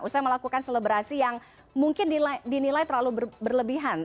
usai melakukan selebrasi yang mungkin dinilai terlalu berlebihan